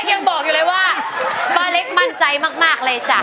ตัวช่วยละครับเหลือใช้ได้อีกสองแผ่นป้ายในเพลงนี้จะหยุดทำไมสู้อยู่แล้วนะครับ